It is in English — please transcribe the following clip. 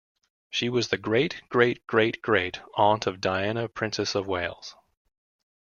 She was the great-great-great-great-aunt of Diana, Princess of Wales.